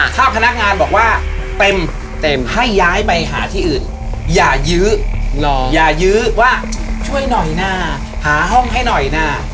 ถ้าพนักงานบอกว่าเต็มเต็มให้ย้ายไปหาที่อื่นอย่ายื้ออย่ายื้อว่าช่วยหน่อยนะหาห้องให้หน่อยนะ